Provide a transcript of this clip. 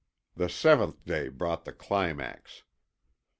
The seventh day brought the climax.